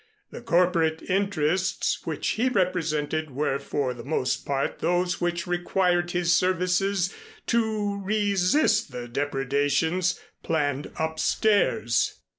The corporate interests which he represented were for the most part those which required his services to resist the depredations planned upstairs.